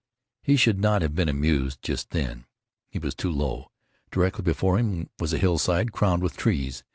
He should not have been amused just then. He was too low. Directly before him was a hillside crowned with trees.